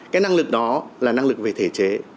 cái năng lực đó là năng lực về thể chế